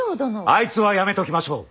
あいつはやめときましょう。